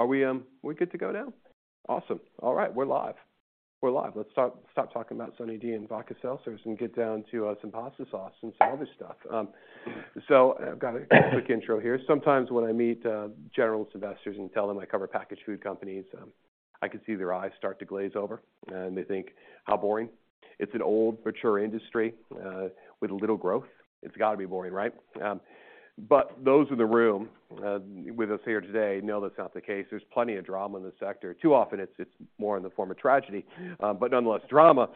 Are we good to go now? Awesome. All right, we're live. We're live. Let's start talking about SunnyD Vodka Seltzer and get down to some pasta sauce and some other stuff. I've got a quick intro here. Sometimes when I meet general investors and tell them I cover packaged food companies, I can see their eyes start to glaze over and they think how boring. It's an old, mature industry with little growth. It's gotta be boring, right? Those in the room with us here today know that's not the case. There's plenty of drama in the sector. Too often it's more in the form of tragedy, but nonetheless drama.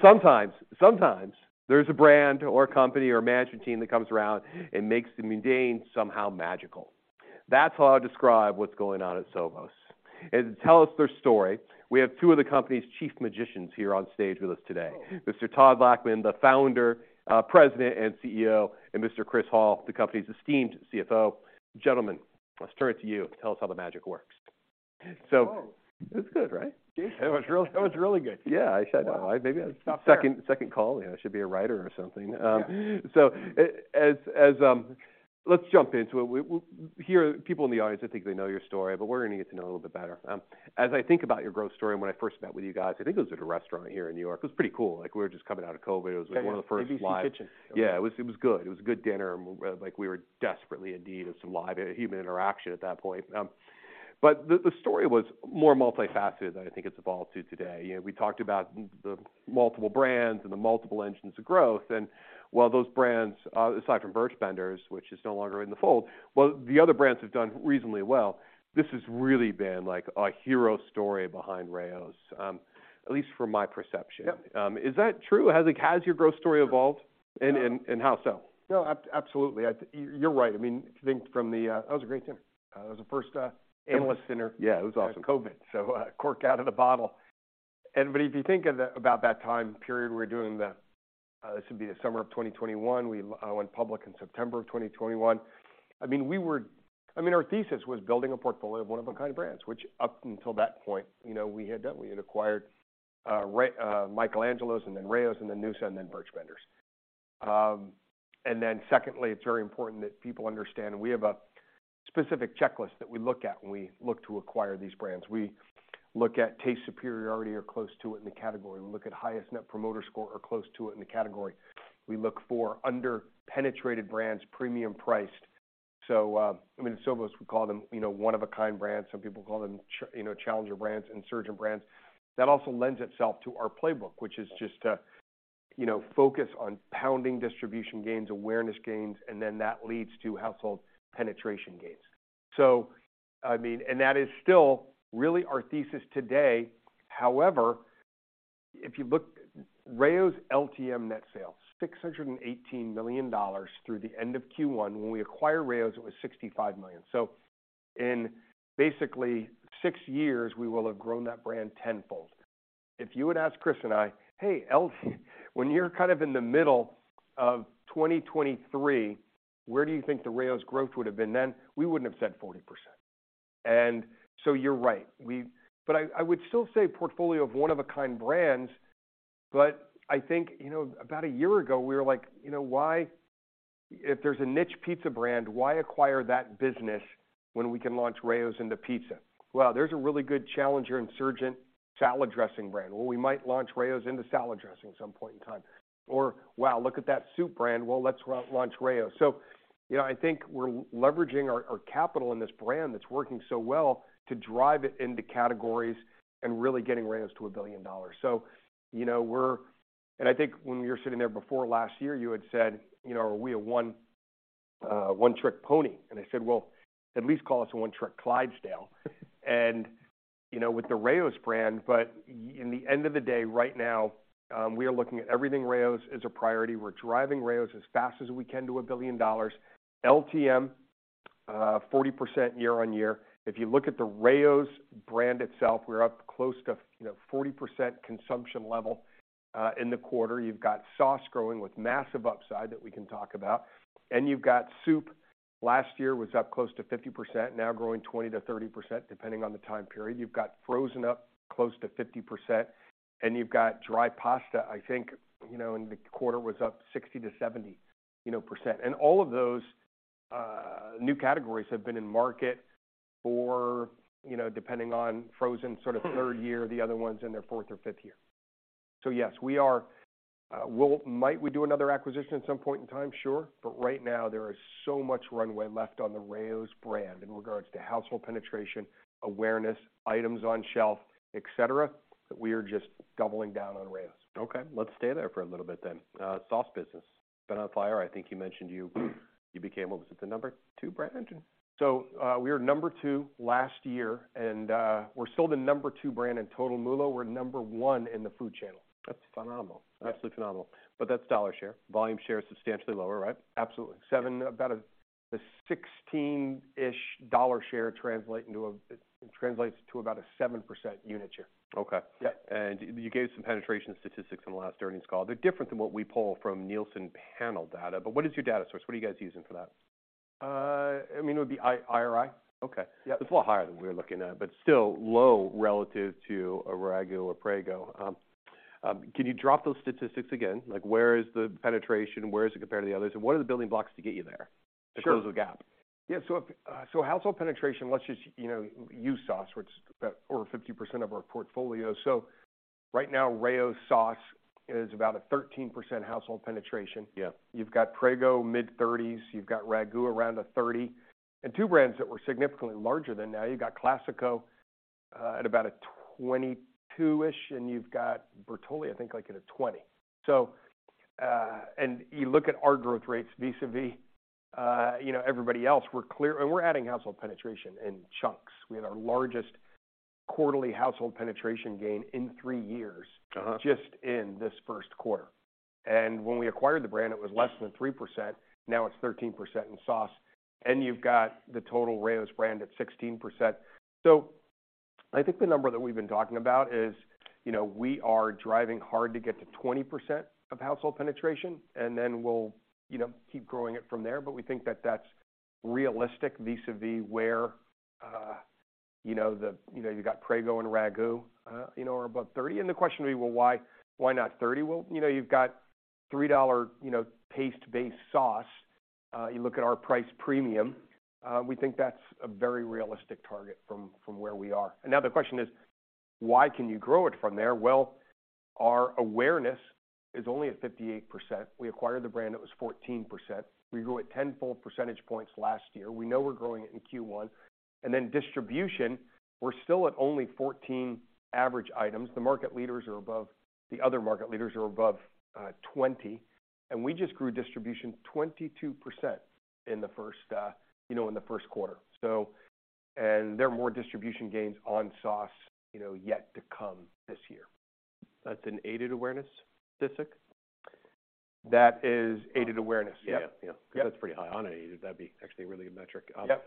Sometimes there's a brand or a company or a management team that comes around and makes the mundane somehow magical. That's how I describe what's going on at Sovos. To tell us their story, we have two of the company's chief magicians here on stage with us today. Mr. Todd Lachman, the Founder, President, and CEO, and Mr. Chris Hall, the company's esteemed CFO. Gentlemen, let's turn it to you. Tell us how the magic works. Whoa. It was good, right? See, it was really, that was really good. Yeah. I said- Wow. Maybe a second call, you know, should be a writer or something. Yeah. As, let's jump into it. We here, people in the audience, I think they know your story, but we're gonna get to know a little bit better. As I think about your growth story when I first met with you guys, I think it was at a restaurant here in New York. It was pretty cool. Like, we were just coming out of COVID. It was one of the first live- Maybe some kitchen. Yeah, it was, it was good. It was a good dinner, like, we were desperately in need of some live human interaction at that point. The, the story was more multifaceted than I think it's evolved to today. You know, we talked about the multiple brands and the multiple engines of growth, while those brands, aside from Birch Benders, which is no longer in the fold, well, the other brands have done reasonably well. This has really been like a hero story behind Rao's, at least from my perception. Yep. Is that true? Has, like, your growth story evolved? How so? No, absolutely. I think you're right. I mean, if you think from the... That was a great dinner. It was the first analyst dinner- Yeah, it was awesome.... since COVID, cork out of the bottle. If you think about that time period, we're doing the, this would be the summer of 2021. We went public in September of 2021. I mean, our thesis was building a portfolio of one-of-a-kind brands, which up until that point, you know, we had done. We had acquired Michael Angelo's and then Rao's and then noosa and then Birch Benders. Secondly, it's very important that people understand we have a specific checklist that we look at when we look to acquire these brands. We look at taste superiority or close to it in the category. We look at highest Net Promoter Score or close to it in the category. We look for under-penetrated brands, premium priced. I mean, at Sovos we call them, you know, one of a kind brands. Some people call them, you know, challenger brands, insurgent brands. That also lends itself to our playbook, which is just to, you know, focus on pounding distribution gains, awareness gains, and then that leads to household penetration gains. I mean, and that is still really our thesis today. However, if you look. Rao's LTM net sales, $618 million through the end of Q1. When we acquired Rao's, it was $65 million. In basically six years, we will have grown that brand tenfold. If you had asked Chris and I, "Hey, when you're kind of in the middle of 2023, where do you think the Rao's growth would have been then?" We wouldn't have said 40%. You're right, we... I would still say portfolio of one-of-a-kind brands. I think, you know, about a year ago, we were like, you know, why... If there's a niche pizza brand, why acquire that business when we can launch Rao's into pizza? Well, there's a really good challenger, insurgent salad dressing brand. Well, we might launch Rao's into salad dressing at some point in time. Wow, look at that soup brand. Well, let's launch Rao's. I think, you know, we're leveraging our capital in this brand that's working so well to drive it into categories and really getting Rao's to $1 billion. You know, we're... I think when we were sitting there before last year, you had said, "You know, are we a one-trick pony?" I said, "Well, at least call us a one-trick Clydesdale." You know, with the Rao's brand, but in the end of the day, right now, we are looking at everything Rao's as a priority. We're driving Rao's as fast as we can to $1 billion. LTM, 40% year-over-year. If you look at the Rao's brand itself, we're up close to, you know, 40% consumption level in the quarter. You've got sauce growing with massive upside that we can talk about. You've got soup. Last year was up close to 50%, now growing 20%-30%, depending on the time period. You've got frozen up close to 50%, you've got dry pasta, I think, you know, in the quarter was up 60%-70%, you know. All of those new categories have been in market for, you know, depending on frozen, sort of third year, the other ones in their fourth or fifth year. Yes, we are. Might we do another acquisition at some point in time? Sure. Right now, there is so much runway left on the Rao's brand in regards to household penetration, awareness, items on shelf, et cetera, that we are just doubling down on Rao's. Okay, let's stay there for a little bit then. Sauce business. Been on fire. I think you mentioned you became, what was it, the number two brand in IRI? We were number two last year, and we're still the number two brand in total MULO. We're number one in the food channel. That's phenomenal. Yeah. Absolutely phenomenal. That's dollar share. Volume share is substantially lower, right? Absolutely. Seven- About a $16-ish share translate, it translates to about a 7% unit share. Okay. Yeah. You gave some penetration statistics on the last earnings call. They're different than what we pull from Nielsen panel data. What is your data source? What are you guys using for that? I mean, it would be IRI. Okay. Yeah. It's a lot higher than we're looking at, but still low relative to a RAGÚ or Prego. Can you drop those statistics again? Like, where is the penetration? Where is it compared to the others? What are the building blocks to get you there? Sure ...to close the gap? Yeah. Household penetration, let's just, you know, use household penetration, which is about over 50% of our portfolio. Right now, Rao's sauce is about a 13% household penetration. Yeah. You've got Prego mid-30s, you've got RAGÚ around a 30%. Two brands that were significantly larger than now, you've got Classico at about a 22-ish percent, and you've got Bertolli, I think like at a 20%. You look at our growth rates vis-a-vis, you know, everybody else, we're clear. We're adding household penetration in chunks. We had our largest quarterly household penetration gain in three years. Uh-huh just in this first quarter. When we acquired the brand, it was less than 3%, now it's 13% in sauce. You've got the total Rao's brand at 16%. I think the number that we've been talking about is, you know, we are driving hard to get to 20% of household penetration, and then we'll, you know, keep growing it from there. We think that that's realistic vis-a-vis where, you know, the, you know, you've got Prego and RAGÚ, you know, are above 30%. The question will be, "Well, why not 30%?" Well, you know, you've got $3, you know, paste-based sauce. You look at our price premium, we think that's a very realistic target from where we are. Now the question is, "Why can you grow it from there?" Well, our awareness is only at 58%. We acquired the brand, it was 14%. We grew at tenfold percentage points last year. We know we're growing it in Q1. Then distribution, we're still at only 14 average items. The other market leaders are above 20, and we just grew distribution 22% in the first, you know, in the first quarter. There are more distribution gains on sauce, you know, yet to come this year. That's an aided awareness statistic? That is aided awareness. Yeah. Yeah. Yeah. That's pretty high. Unaided, that'd be actually a really good metric. Yep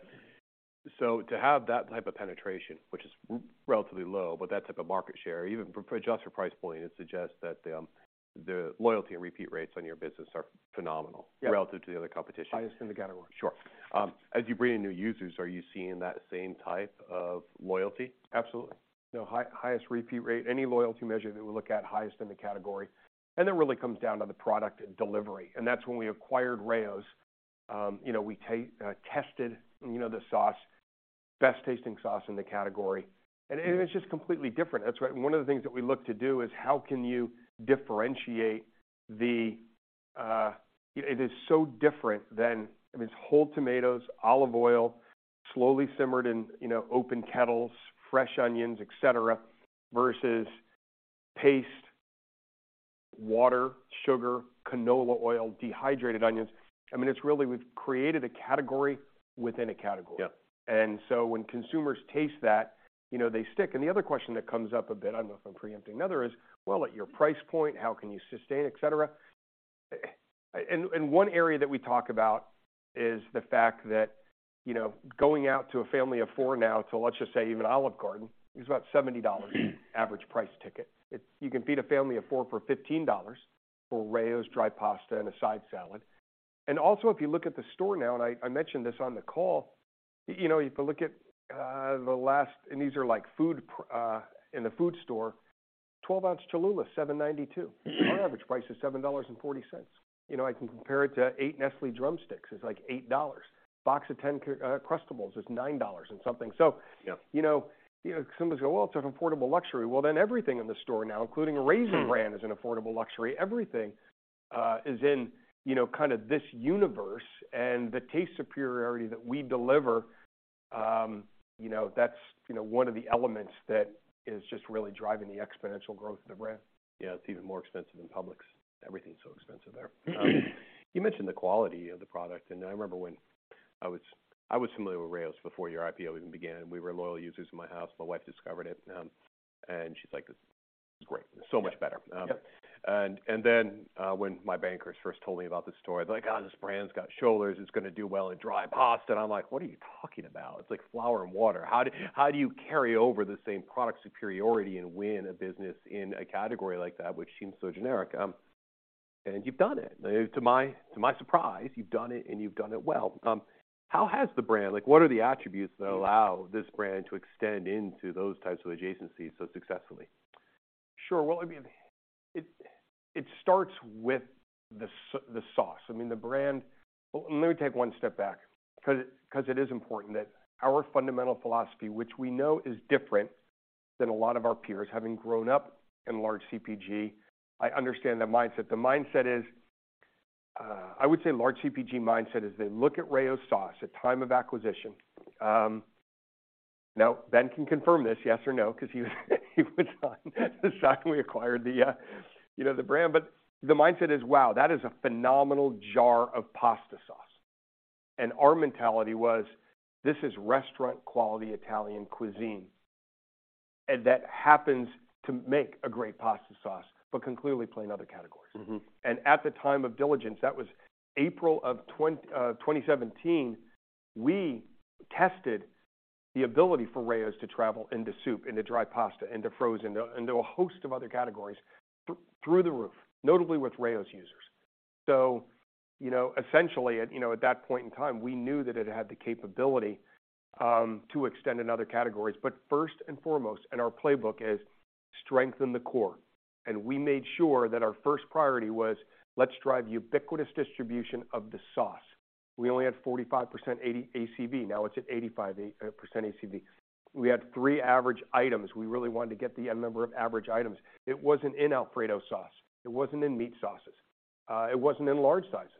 To have that type of penetration, which is relatively low, but that type of market share, even for adjusted price point, it suggests that the loyalty and repeat rates on your business are phenomenal. Yeah ...relative to the other competition. Highest in the category. Sure. As you bring in new users, are you seeing that same type of loyalty? Absolutely. The highest repeat rate, any loyalty measure that we look at, highest in the category, and it really comes down to the product delivery. That's when we acquired Rao's, you know, we tested, you know, the sauce, best tasting sauce in the category. It was just completely different. That's why one of the things that we look to do is how can you differentiate. It is so different than, I mean, it's whole tomatoes, olive oil, slowly simmered in, you know, open kettles, fresh onions, et cetera, versus paste, water, sugar, canola oil, dehydrated onions. I mean, it's really, we've created a category within a category. Yeah. When consumers taste that, you know, they stick. The other question that comes up a bit, I don't know if I'm preempting another, is, "Well, at your price point, how can you sustain, et cetera?" One area that we talk about is the fact that, you know, going out to a family of four now to, let's just say, even Olive Garden, is about $70 average price ticket. It's, you can feed a family of four for $15 for Rao's dry pasta and a side salad. Also, if you look at the store now, I mentioned this on the call, you know, if you look at... And these are like food in the food store, 12 ounce Cholula, $7.92. Our average price is $7.40. You know, I can compare it to 8 Nestlé Drumstick, it's like $8. Box of 10, Uncrustables is $9 and something. Yeah ...you know, someone goes, "Well, it's an affordable luxury." Then everything in the store now, including a Raisin Bran is an affordable luxury. Everything is in, you know, kind of this universe and the taste superiority that we deliver, you know, that's, you know, one of the elements that is just really driving the exponential growth of the brand. It's even more expensive than Publix. Everything's so expensive there. You mentioned the quality of the product. I remember when I was familiar with Rao's before your IPO even began. We were loyal users in my house. My wife discovered it, and she's like, "This is great. This is so much better. Yeah. Then, when my bankers first told me about this story, they're like, "Oh, this brand's got shoulders. It's gonna do well in dry pasta." I'm like: What are you talking about? It's like flour and water. How do you carry over the same product superiority and win a business in a category like that, which seems so generic? You've done it. To my surprise, you've done it and you've done it well. How has the brand, like, what are the attributes that allow this brand to extend into those types of adjacencies so successfully? Sure. Well, I mean, it starts with the sauce. I mean, the brand. Well, let me take one step back because it is important that our fundamental philosophy, which we know is different than a lot of our peers. Having grown up in large CPG, I understand the mindset. The mindset is, I would say large CPG mindset is they look at Rao's sauce at time of acquisition. Ben can confirm this, yes or no, because he was on the site when we acquired the, you know, the brand. The mindset is, "Wow, that is a phenomenal jar of pasta sauce." Our mentality was, this is restaurant quality Italian cuisine, and that happens to make a great pasta sauce, but can clearly play in other categories. Mm-hmm. At the time of diligence, that was April of 2017, we tested the ability for Rao's to travel into soup, into dry pasta, into frozen, into a host of other categories through the roof, notably with Rao's users. You know, essentially at, you know, at that point in time, we knew that it had the capability to extend in other categories. First and foremost in our playbook is strengthen the core. We made sure that our first priority was, let's drive ubiquitous distribution of the sauce. We only had 45% ACV, now it's at 85% ACV. We had three average items. We really wanted to get the number of average items. It wasn't in Alfredo sauce, it wasn't in meat sauces, it wasn't in large sizes.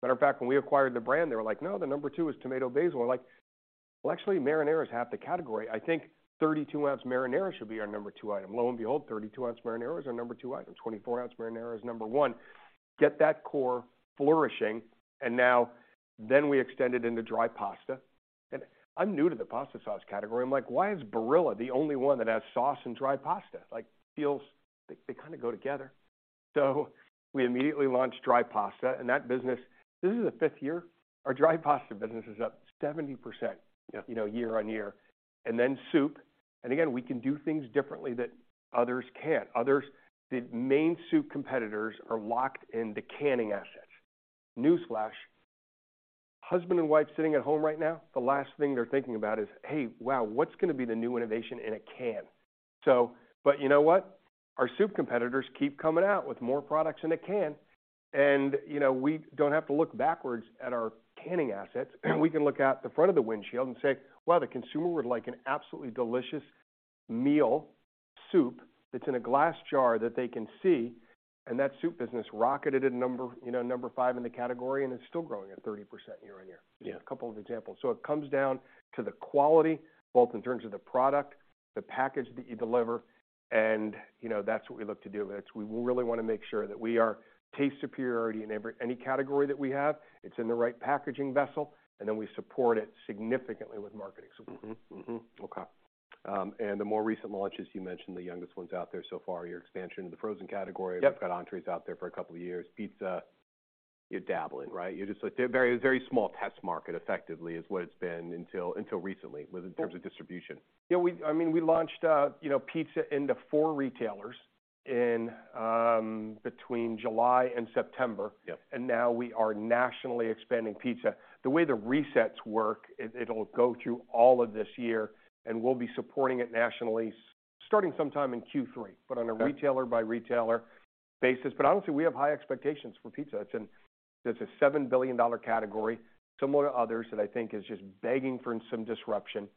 Matter of fact, when we acquired the brand, they were like, "No, the number two is tomato basil." We're like, "Well, actually, marinara is half the category. I think 32 ounce marinara should be our number two item." Lo and behold, 32 ounce marinara is our number two item. 24 ounce marinara is number one. Get that core flourishing, now then we extend it into dry pasta. I'm new to the pasta sauce category. I'm like, "Why is Barilla the only one that has sauce and dry pasta?" Like, feels they kind of go together. We immediately launched dry pasta and that business... This is the fifth year, our dry pasta business is up 70%, you know, year on year. Then soup. Again, we can do things differently that others can't. Others... The main soup competitors are locked into canning assets. Newsflash, husband and wife sitting at home right now, the last thing they're thinking about is, "Hey, wow, what's gonna be the new innovation in a can?" You know what? Our soup competitors keep coming out with more products in a can. You know, we don't have to look backwards at our canning assets. We can look out the front of the windshield and say, "Well, the consumer would like an absolutely delicious meal, soup, that's in a glass jar that they can see." That soup business rocketed at number, you know, number five in the category, and it's still growing at 30% year-over-year. Yeah. A couple of examples. It comes down to the quality, both in terms of the product, the package that you deliver, and, you know, that's what we look to do. That's we really wanna make sure that we are taste superiority in every, any category that we have. It's in the right packaging vessel. We support it significantly with marketing. Mm-hmm. Mm-hmm. Okay. The more recent launches, you mentioned the youngest ones out there so far, your expansion in the frozen category. Yep. You've got entrees out there for a couple of years. Pizza, you're dabbling, right? You're just like... Very, very small test market effectively is what it's been until recently with, in terms of distribution. I mean, we launched, you know, pizza into four retailers in, between July and September. Yep. Now we are nationally expanding pizza. The way the resets work, it'll go through all of this year, and we'll be supporting it nationally starting sometime in Q3, but on a retailer by retailer basis. Honestly, we have high expectations for pizza. It's an, it's a $7 billion category similar to others that I think is just begging for some disruption.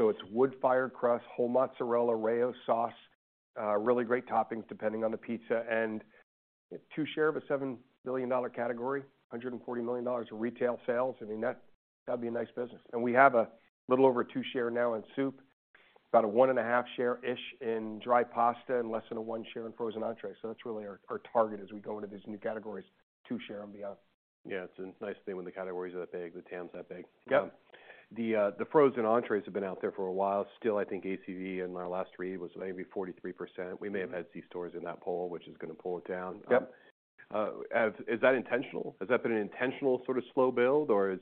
It's wood-fired crust, whole mozzarella, Rao's sauce, really great toppings depending on the pizza. Two share of a $7 billion category, $140 million of retail sales. I mean, that'd be a nice business. We have a little over two share now in soup, about a 1.5 share-ish in dry pasta, and less than a one share in frozen entrees. That's really our target as we go into these new categories, two share and beyond. Yeah. It's a nice thing when the categories are that big, the TAM's that big. Yep. The, the frozen entrees have been out there for a while. I think ACV in my last read was maybe 43%. We may have had C-stores in that poll, which is gonna pull it down. Yep. Is that intentional? Has that been an intentional sort of slow build, or is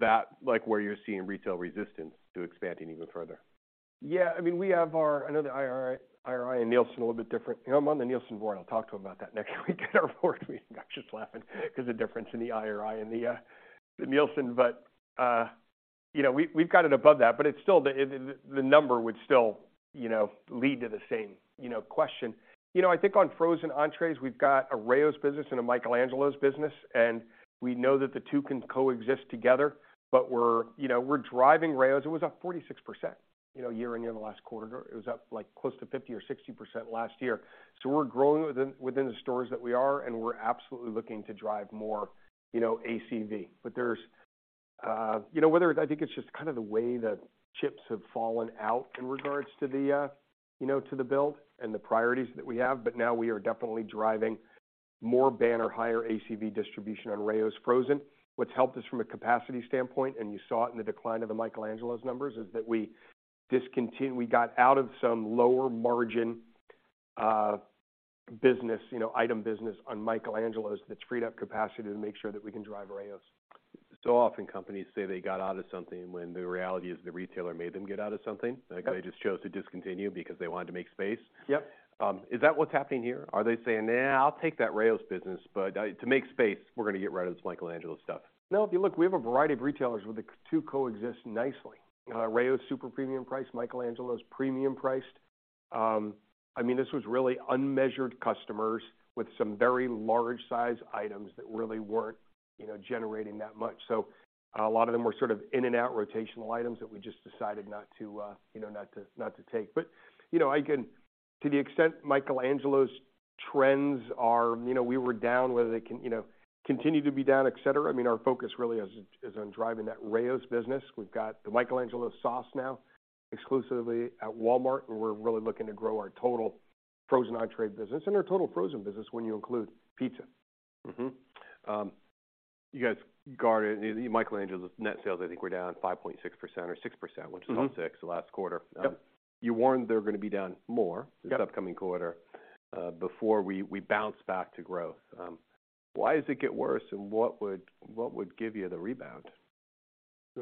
that like where you're seeing retail resistance to expanding even further? Yeah. I mean, we have I know the IRI and Nielsen are a little bit different. You know, I'm on the Nielsen board. I'll talk to them about that next week at our board meeting. I'm just laughing 'cause the difference in the IRI and the Nielsen. You know, we've got it above that, but it's still the. The number would still, you know, lead to the same, you know, question. You know, I think on frozen entrees, we've got a Rao's business and a Michael Angelo's business, and we know that the two can coexist together. We're, you know, we're driving Rao's. It was up 46%, you know, year-on-year in the last quarter. It was up, like, close to 50% or 60% last year. We're growing within the stores that we are, and we're absolutely looking to drive more, you know, ACV. There's, you know, whether I think it's just kind of the way the chips have fallen out in regards to the, you know, to the build and the priorities that we have, but now we are definitely driving more banner, higher ACV distribution on Rao's frozen. What's helped us from a capacity standpoint, and you saw it in the decline of the Michael Angelo's numbers, is that we got out of some lower margin, you know, item business on Michael Angelo's that's freed up capacity to make sure that we can drive Rao's. Often companies say they got out of something when the reality is the retailer made them get out of something. Yep. Like, they just chose to discontinue because they wanted to make space. Yep. Is that what's happening here? Are they saying, "Nah, I'll take that Rao's business, but to make space, we're gonna get rid of this Michael Angelo's stuff"? No. If you look, we have a variety of retailers where the two coexist nicely. Rao's super premium priced, Michael Angelo's premium priced. I mean, this was really unmeasured customers with some very large size items that really weren't, you know, generating that much. A lot of them were sort of in and out rotational items that we just decided not to, you know, not to take. You know, to the extent Michael Angelo's trends are, you know, we were down whether they can, you know, continue to be down, et cetera, I mean, our focus really is on driving that Rao's business. We've got the Michael Angelo's sauce now exclusively at Walmart, and we're really looking to grow our total frozen entree business and our total frozen business when you include pizza. You guys guided... Michael Angelo's net sales I think were down 5.6% or 6%. Mm-hmm which is on 6% the last quarter. Yep. You warned they're gonna be down more. Yep... this upcoming quarter, before we bounce back to growth. Why does it get worse, and what would give you the rebound?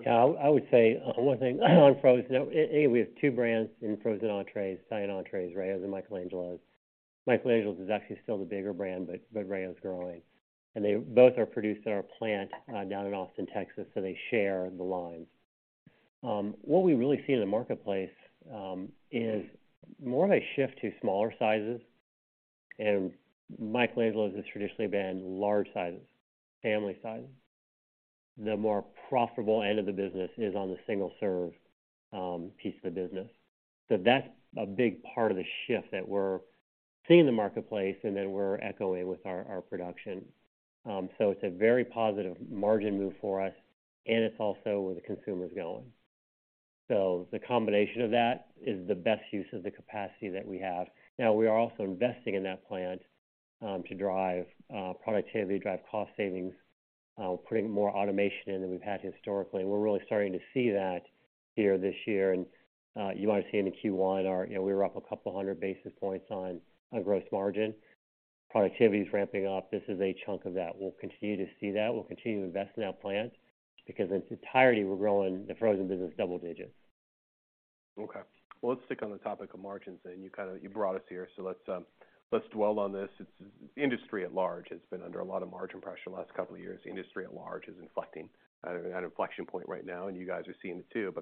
Yeah, I would say, one thing on frozen. We have two brands in frozen entrees, Italian entrees, Rao's and Michael Angelo's. Michael Angelo's is actually still the bigger brand, but Rao's is growing. They both are produced in our plant, down in Austin, Texas, so they share the line. What we really see in the marketplace, is more of a shift to smaller sizes. Michael Angelo's has traditionally been large sizes, family sizes. The more profitable end of the business is on the single-serve piece of the business. That's a big part of the shift that we're seeing in the marketplace, and then we're echoing with our production. It's a very positive margin move for us, and it's also where the consumer's going. The combination of that is the best use of the capacity that we have. Now, we are also investing in that plant, to drive productivity, drive cost savings, putting more automation in than we've had historically. We're really starting to see that here this year. You wanna see it in Q1, you know, we were up a couple of hundred basis points on gross margin. Productivity's ramping up. This is a chunk of that. We'll continue to see that. We'll continue to invest in that plant because in its entirety, we're growing the frozen business double digits. Okay. Well, let's stick on the topic of margins then. You kind of, you brought us here, so let's dwell on this. Industry at large has been under a lot of margin pressure the last couple of years. The industry at large is inflecting, at an inflection point right now, and you guys are seeing it too.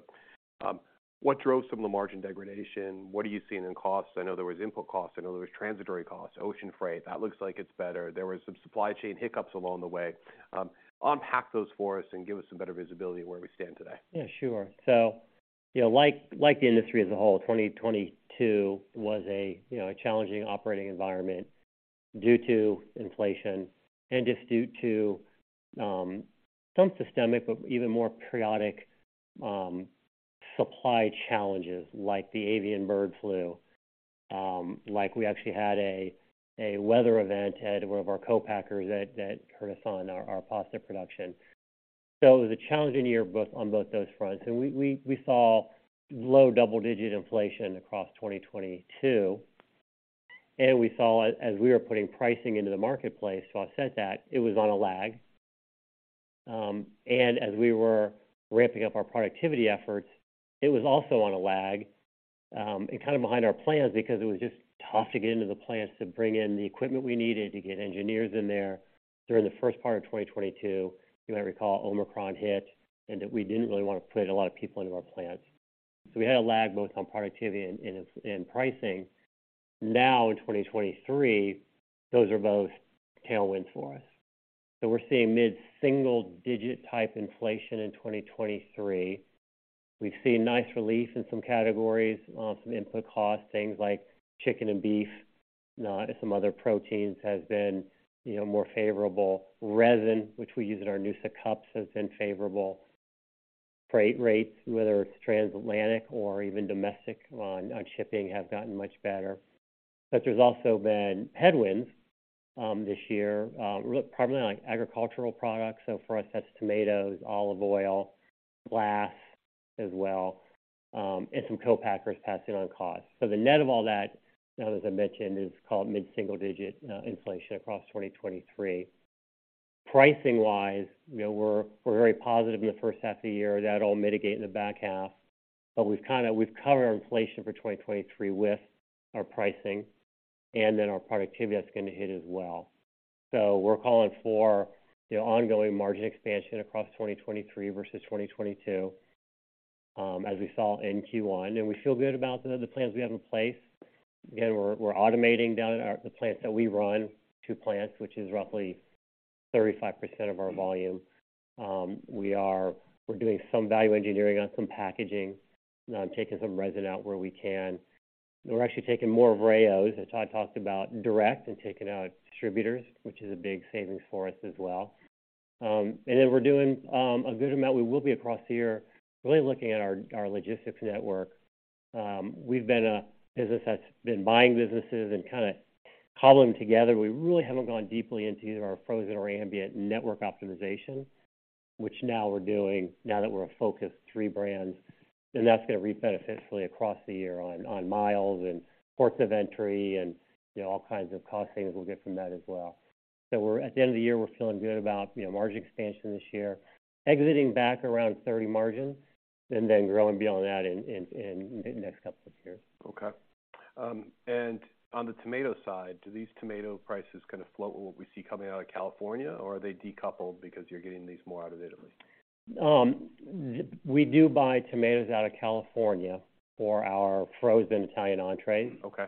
What drove some of the margin degradation? What are you seeing in costs? I know there was input costs. I know there was transitory costs. Ocean freight, that looks like it's better. There were some supply chain hiccups along the way. Unpack those for us and give us some better visibility of where we stand today. Yeah, sure. You know, like the industry as a whole, 2022 was a, you know, a challenging operating environment due to inflation and just due to some systemic, but even more periodic, supply challenges like the avian bird flu, like we actually had a weather event at one of our co-packers that hurt us on our pasta production. It was a challenging year both on both those fronts. We saw low double-digit inflation across 2022. We saw, as we were putting pricing into the marketplace to offset that, it was on a lag. As we were ramping up our productivity efforts, it was also on a lag and kind of behind our plans because it was just tough to get into the plants to bring in the equipment we needed to get engineers in there. During the first part of 2022, you might recall Omicron hit, that we didn't really wanna put a lot of people into our plants. We had a lag both on productivity and pricing. Now in 2023, those are both tailwinds for us. We're seeing mid-single digit type inflation in 2023. We've seen nice relief in some categories on some input costs, things like chicken and beef, and some other proteins has been, you know, more favorable. Resin, which we use in our noosa cups, has been favorable. Freight rates, whether it's transatlantic or even domestic on shipping, have gotten much better. There's also been headwinds this year, primarily on agricultural products, so for us that's tomatoes, olive oil, glass as well, and some co-packers passing on costs. The net of all that, now as I mentioned, is called mid-single digit inflation across 2023. Pricing-wise, you know, we're very positive in the first half of the year. That'll mitigate in the back half. We've covered our inflation for 2023 with our pricing, and then our productivity that's gonna hit as well. We're calling for the ongoing margin expansion across 2023 versus 2022, as we saw in Q1. We feel good about the plans we have in place. Again, we're automating down at the plants that we run, two plants, which is roughly 35% of our volume. We're doing some value engineering on some packaging, taking some resin out where we can. We're actually taking more of Rao's, as Todd talked about, direct and taking out distributors, which is a big savings for us as well. Then we're doing a good amount, we will be across the year really looking at our logistics network. We've been a business that's been buying businesses and kinda cobbling them together. We really haven't gone deeply into either our frozen or ambient network optimization, which now we're doing now that we're a focused three brands. That's gonna reap beneficially across the year on miles and ports of entry and, you know, all kinds of cost savings we'll get from that as well. At the end of the year, we're feeling good about, you know, margin expansion this year, exiting back around 30% margins, and then growing beyond that in the next couple of years. Okay. On the tomato side, do these tomato prices kind of flow with what we see coming out of California, or are they decoupled because you're getting these more out of Italy? We do buy tomatoes out of California for our frozen Italian entrees. Okay.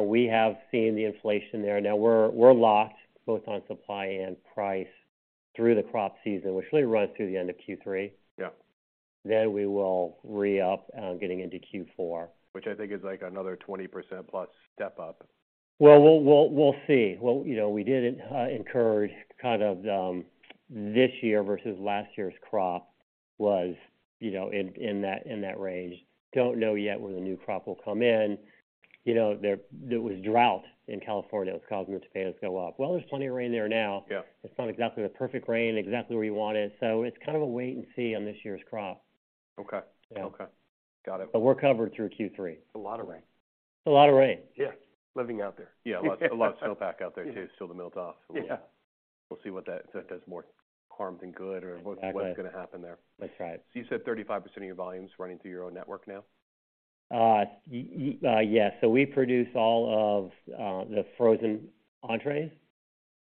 We have seen the inflation there. Now we're locked both on supply and price through the crop season, which really runs through the end of Q3. Yeah. We will re-up, getting into Q4. Which I think is like another 20%+ step up. Well, we'll see. Well, you know, we did incurred kind of this year versus last year's crop was, you know, in that range. Don't know yet where the new crop will come in. You know, there was drought in California that was causing the tomatoes to go up. Well, there's plenty of rain there now. Yeah. It's not exactly the perfect rain, exactly where you want it, so it's kind of a wait and see on this year's crop. Okay. Okay. Got it. We're covered through Q3. It's a lot of rain. Yeah. Living out there. A lot of snow pack out there too. The melt off. We'll see if that does more harm than good. Exactly. What's gonna happen there. That's right. You said 35% of your volume's running through your own network now? Yeah. We produce all of the frozen entrees,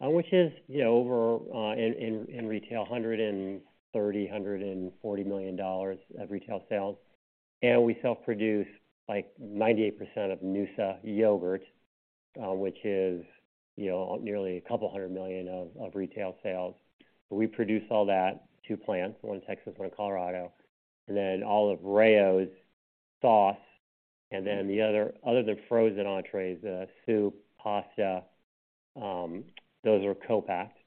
which is, you know, over in retail, $130 million-$140 million of retail sales. We self-produce, like, 98% of noosa yoghurt, which is, you know, nearly a couple hundred million of retail sales. We produce all that, two plants, one in Texas, one in Colorado. All of Rao's sauce and then the other than frozen entrées, soup, pasta, those are co-packed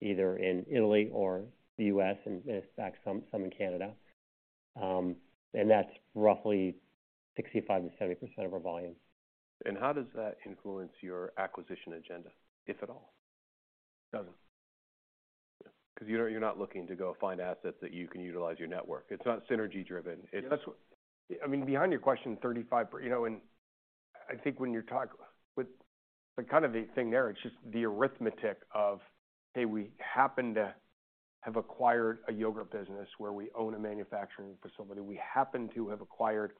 either in Italy or the US, in fact, some in Canada. That's roughly 65%-70% of our volume. How does that influence your acquisition agenda, if at all? It doesn't. 'Cause you're not looking to go find assets that you can utilize your network. It's not synergy driven. That's what... I mean, behind your question, 35%. You know, I think when you talk... Kind of the thing there, it's just the arithmetic of, hey, we happen to have acquired a yoghurt business where we own a manufacturing facility. We happen to have acquired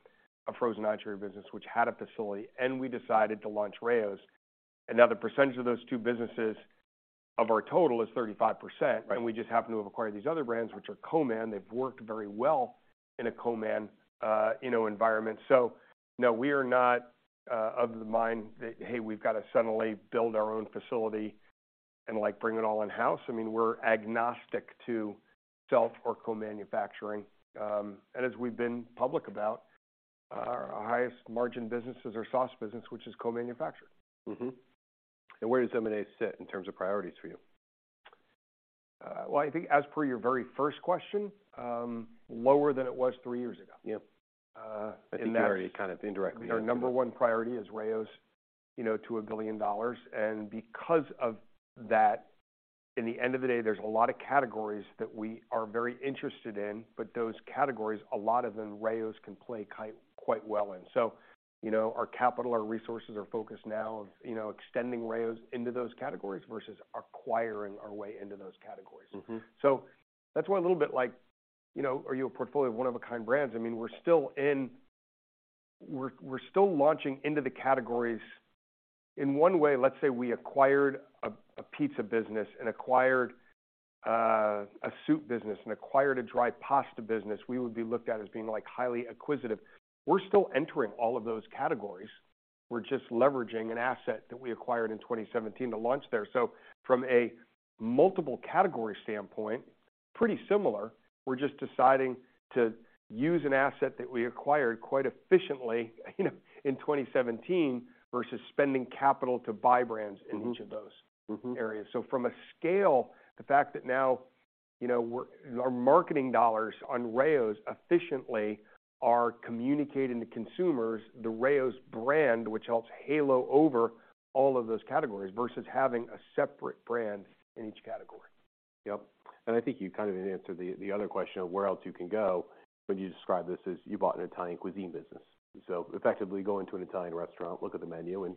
a frozen entrée business which had a facility, and we decided to launch Rao's. Now the percentage of those two businesses of our total is 35%. Right. We just happen to have acquired these other brands, which are co-man. They've worked very well in a co-man, you know, environment. No, we are not of the mind that, "Hey, we've got to suddenly build our own facility and, like, bring it all in-house." I mean, we're agnostic to self or co-manufacturing. As we've been public about, our highest margin businesses are sauce business, which is co-manufactured. Where does M&A sit in terms of priorities for you? Well, I think as per your very first question, lower than it was three years ago. Yeah. I think you already kind of indirectly- Our number one priority is Rao's, you know, to $1 billion. Because of that, in the end of the day, there's a lot of categories that we are very interested in, but those categories, a lot of them, Rao's can play quite well in. You know, our capital, our resources are focused now of, you know, extending Rao's into those categories versus acquiring our way into those categories. That's why a little bit like, you know, are you a portfolio of one-of-a-kind brands? I mean, we're still launching into the categories. In one way, let's say we acquired a pizza business and acquired a soup business and acquired a dry pasta business, we would be looked at as being, like, highly acquisitive. We're still entering all of those categories. We're just leveraging an asset that we acquired in 2017 to launch there. From a multiple category standpoint, pretty similar. We're just deciding to use an asset that we acquired quite efficiently, you know, in 2017 versus spending capital to buy brands in each of those areas. From a scale, the fact that now, you know, our marketing dollars on Rao's efficiently are communicating to consumers the Rao's brand, which helps halo over all of those categories versus having a separate brand in each category. Yep. I think you kind of answered the other question of where else you can go when you describe this as you bought an Italian cuisine business. Effectively going to an Italian restaurant, look at the menu and,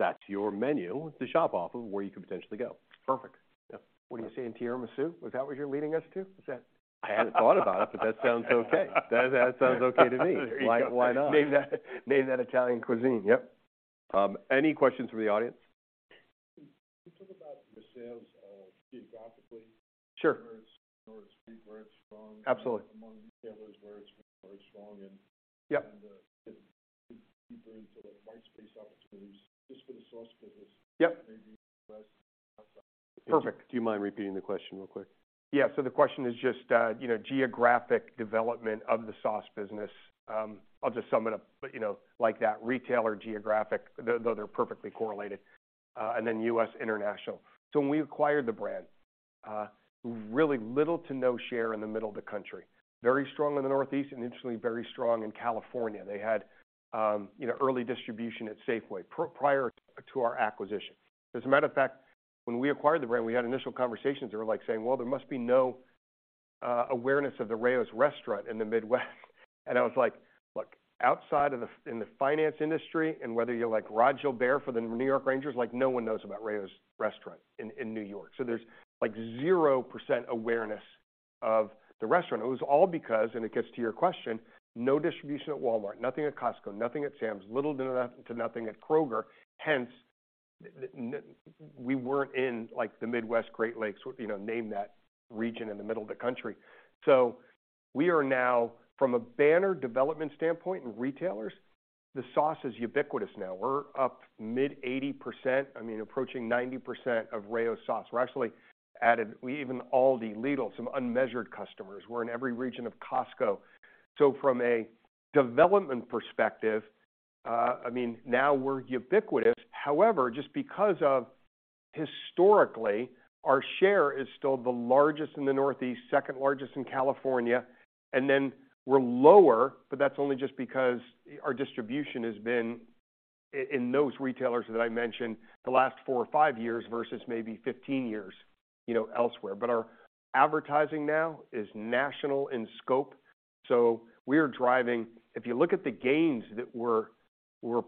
That's your menu to shop off of where you could potentially go. Perfect. Yeah. What are you saying? [Tiramisu]? Is that what you're leading us to? I hadn't thought about it, but that sounds okay. That sounds okay to me. Why not? Name that Italian cuisine. Any questions from the audience? Can you talk about your sales, geographically? Sure. Where it's weak, where it's strong. Absolutely. Among retailers, where it's strong and. Yep. Can you dig deeper into, like, white space opportunities just for the sauce business. Yep. maybe in the U.S. and outside? Perfect. Do you mind repeating the question real quick? The question is just, you know, geographic development of the sauce business. I'll just sum it up, you know, like that. Retail or geographic, though they're perfectly correlated, and then U.S. international. When we acquired the brand, really little to no share in the middle of the country. Very strong in the Northeast and initially very strong in California. They had, you know, early distribution at Safeway prior to our acquisition. As a matter of fact, when we acquired the brand, we had initial conversations that were, like, saying, "Well, there must be no awareness of the Rao's restaurant in the Midwest." I was like, "Look, outside of the finance industry and whether you're like Rod Gilbert for the New York Rangers, like, no one knows about Rao's restaurant in New York." There's, like, 0% awareness of the restaurant. It was all because, and it gets to your question, no distribution at Walmart, nothing at Costco, nothing at Sam's, little to nothing at Kroger. Hence, we weren't in, like, the Midwest, Great Lakes, you know, name that region in the middle of the country. We are now, from a banner development standpoint and retailers, the sauce is ubiquitous now. We're up mid-80%, I mean, approaching 90% of Rao's sauce. We're actually added, we even ALDI, Lidl, some unmeasured customers. We're in every region of Costco. From a development perspective, I mean, now we're ubiquitous. Just because of historically, our share is still the largest in the Northeast, second largest in California, and then we're lower, but that's only just because our distribution has been in those retailers that I mentioned the last four or five years versus maybe 15 years, you know, elsewhere. Our advertising now is national in scope, so we're driving... If you look at the gains that we're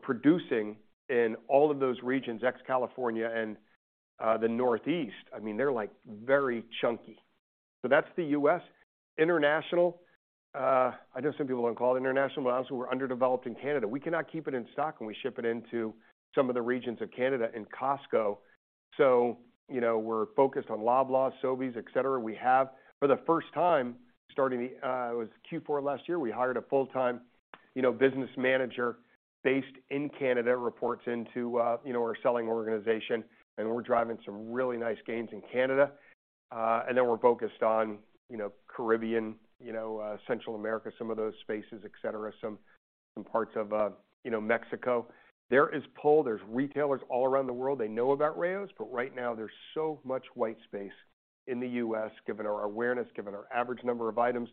producing in all of those regions, ex-California and the Northeast, I mean, they're like very chunky. That's the U.S. International, I know some people don't call it international, but honestly, we're underdeveloped in Canada. We cannot keep it in stock when we ship it into some of the regions of Canada in Costco. You know, we're focused on Loblaw, Sobeys, et cetera. We have for the first time starting, it was Q4 last year, we hired a full-time, you know, business manager based in Canada, reports into, you know, our selling organization, and we're driving some really nice gains in Canada. Then we're focused on, you know, Caribbean, you know, Central America, some of those spaces, et cetera, some parts of, you know, Mexico. There is pull, there's retailers all around the world, they know about Rao's, but right now there's so much white space in the U.S. given our awareness, given our average number of items,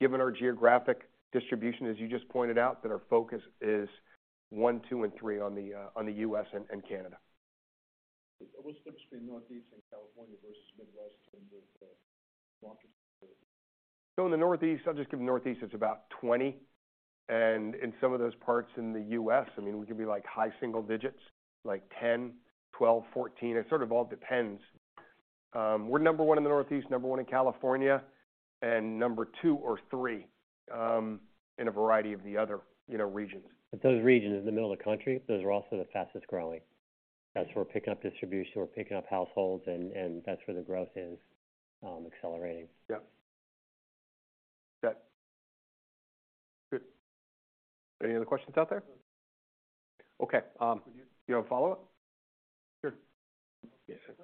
given our geographic distribution, as you just pointed out, that our focus is one, two, and three on the on the U.S. and Canada. What's the difference between Northeast and California versus Midwest in terms of market share? In the Northeast, I'll just give you Northeast, it's about 20. In some of those parts in the U.S., I mean, we could be like high single digits, like 10, 12, 14. It sort of all depends. We're number one in the Northeast, number one in California, and number two or three in a variety of the other, you know, regions. Those regions in the middle of the country, those are also the fastest-growing. That's where we're picking up distribution, we're picking up households, and that's where the growth is accelerating. Good. Any other questions out there? Okay. For you. You have a follow-up? Sure.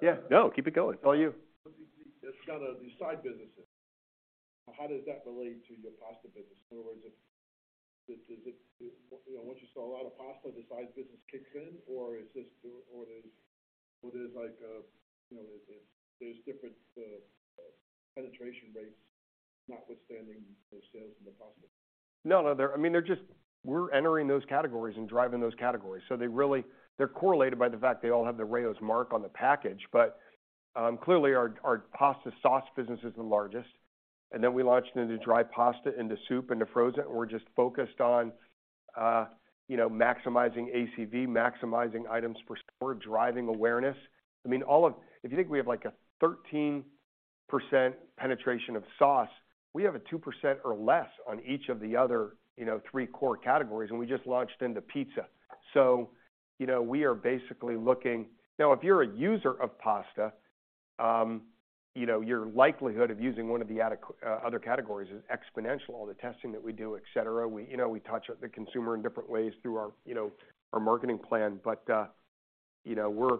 Yeah, no, keep it going. It's all you. Just out of these side businesses, how does that relate to your pasta business? In other words, does it, you know, once you sell a lot of pasta, the side business kicks in, or is this the, or is like, you know, there's different penetration rates notwithstanding the sales in the pasta? No, no, I mean, We're entering those categories and driving those categories, so they're correlated by the fact they all have the Rao's mark on the package. Clearly our pasta sauce business is the largest. We launched into dry pasta, into soup, into frozen. We're just focused on, you know, maximizing ACV, maximizing items per square, driving awareness. I mean, if you think we have, like, a 13% penetration of sauce, we have a 2% or less on each of the other, you know, three core categories, and we just launched into pizza. You know. Now if you're a user of pasta, you know, your likelihood of using one of the other categories is exponential. All the testing that we do, et cetera. We, you know, we touch the consumer in different ways through our, you know, our marketing plan. You know,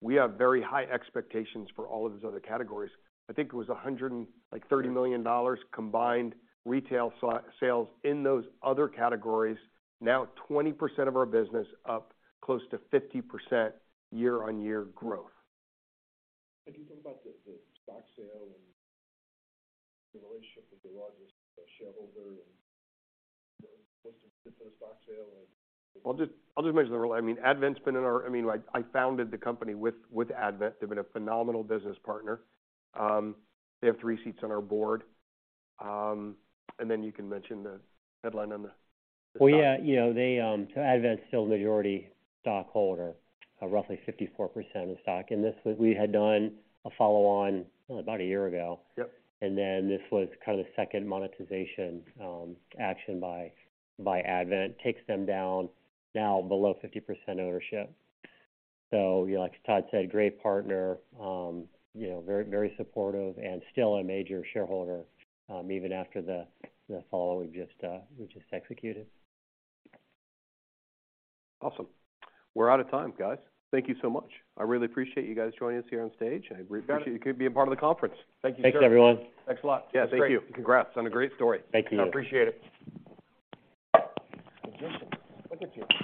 we have very high expectations for all of these other categories. I think it was $130 million combined retail sales in those other categories. Now 20% of our business up close to 50% year-on-year growth. Can you talk about the stock sale and the relationship with the largest shareholder and what's the different stock sale? Well, I'll just mention the role. I mean, Advent's been in our. I mean, I founded the company with Advent. They've been a phenomenal business partner. They have three seats on our board. Then you can mention the headline on the. Yeah, you know, they, Advent's still majority stockholder, roughly 54% of the stock. We had done a follow-on about a year ago. Yep. This was kind of the second monetization action by Advent. Takes them down now below 50% ownership. You know, like Todd said, great partner, you know, very, very supportive and still a major shareholder, even after the follow we've just executed. Awesome. We're out of time, guys. Thank you so much. I really appreciate you guys joining us here on stage. I appreciate you being part of the conference. Thanks, everyone. Yeah, thank you. Congrats on a great story. Thank you. I appreciate it.